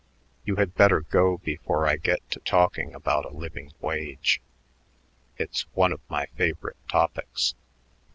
You had better go before I get to talking about a living wage. It is one of my favorite topics."